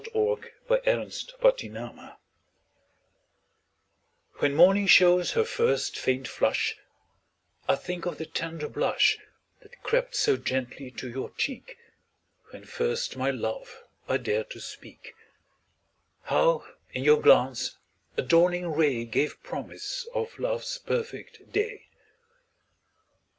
MORNING, NOON AND NIGHT When morning shows her first faint flush, I think of the tender blush That crept so gently to your cheek When first my love I dared to speak; How, in your glance, a dawning ray Gave promise of love's perfect day.